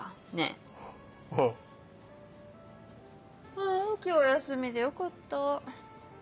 あ今日休みでよかった。